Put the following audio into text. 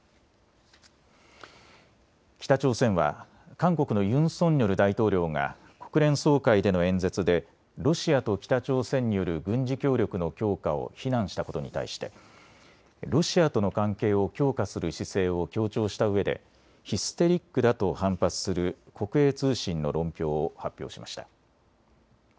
北朝鮮は韓国のユン・ソンニョル大統領が国連総会での演説でロシアと北朝鮮による軍事協力の強化を非難したことに対してロシアとの関係を強化する姿勢を強調したうえでヒステリックだと反発する国営通信の論評を発表しました。